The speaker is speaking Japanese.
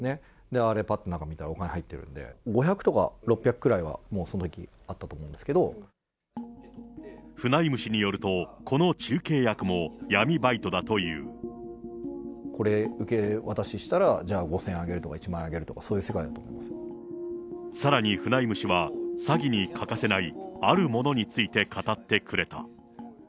あれ、ぱっと見たら、中、お金入ってるんで、５００とか６００ぐらいは、もうそのときにあフナイム氏によると、これ、受け渡ししたら、じゃあ５０００円あげるとか、１万円あげるとかそういう世界だとさらにフナイム氏は、詐欺に欠かせないあるものについて語ってくれた。